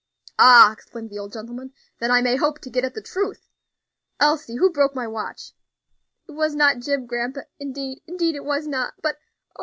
"Ah!" exclaimed the old gentlemen; "then I may hope to get at the truth. Elsie, who broke my watch?" "It was not Jim, grandpa, indeed, indeed, it was not; but oh!